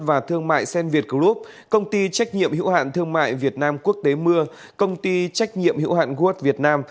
và thương mại senviet group công ty trách nhiệm hữu hạn thương mại việt nam quốc tế mưa công ty trách nhiệm hữu hạn world việt nam